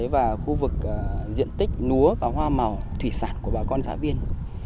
và khu vực diện tích núa và hoa màu thủy sản của bà con xã viên